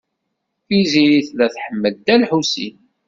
Tiziri tella tḥemmel Dda Lḥusin.